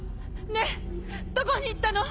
ねぇどこに行ったの？